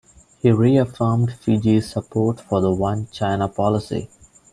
He reaffirmed Fiji's support for the One China policy.